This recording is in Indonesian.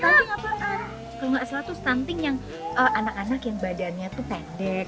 kalau nggak salah tuh stunting yang anak anak yang badannya tuh pendek